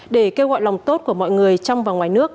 để kêu gọi lòng tốt của mọi người trong và ngoài nước